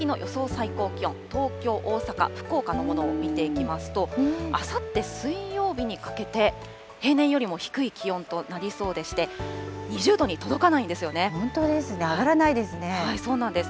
最高気温、東京、大阪、福岡のものを見ていきますと、あさって水曜日にかけて平年よりも低い気温となりそうでして、２本当ですね、上がらないですそうなんです。